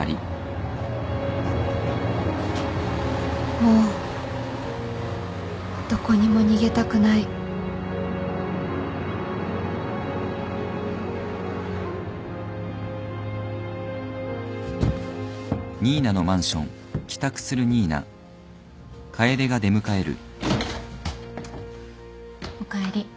もうどこにも逃げたくないおかえり。